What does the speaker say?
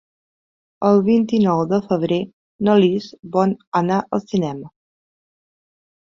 El vint-i-nou de febrer na Lis vol anar al cinema.